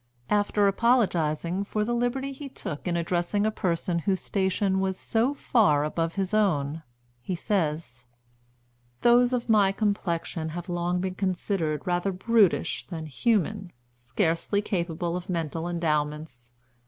After apologizing for the liberty he took in addressing a person whose station was so far above his own, he says: "Those of my complexion have long been considered rather brutish than human, scarcely capable of mental endowments.